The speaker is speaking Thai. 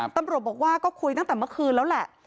ตำรวจบอกว่าก็คุยตั้งแต่เมื่อคืนแล้วแหละ